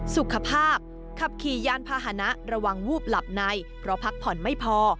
สุขภาพขับขี่ยานพาหนะระวังวูบหลับในเพราะพักผ่อนไม่พอ